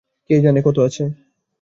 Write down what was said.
কে জানে কত আছে।